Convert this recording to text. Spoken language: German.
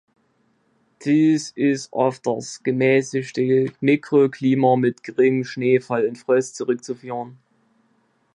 Dies ist auf das gemäßigte Mikroklima mit geringem Schneefall und Frost zurückzuführen.